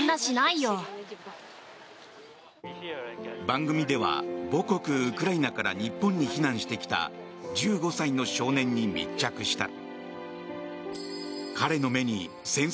番組では母国ウクライナから日本に避難してきた１５歳の少年に密着した。